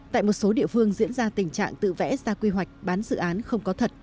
tại một số địa phương diễn ra tình trạng tự vẽ ra quy hoạch bán dự án không có thật